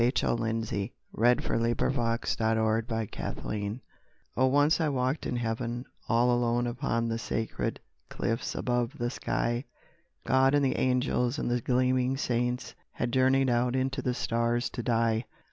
How I Walked Alone in the Jungles of Heaven Oh, once I walked in Heaven, all alone Upon the sacred cliffs above the sky. God and the angels, and the gleaming saints Had journeyed out into the stars to die.